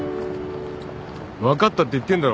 分かったって言ってんだろ。